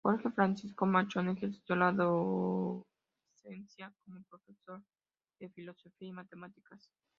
Jorge Francisco Machón ejerció la docencia como profesor de Historia y Matemáticas.